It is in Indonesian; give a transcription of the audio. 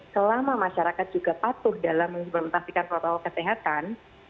selama masyarakat juga patuh dalam mengimplementasikan protokol kesehatan